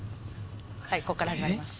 はいこっから始まります。